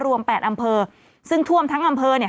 แปดอำเภอซึ่งท่วมทั้งอำเภอเนี่ย